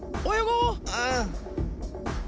うん。